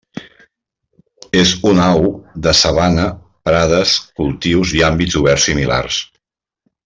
És una au de sabana, prades, cultius i àmbits oberts similars.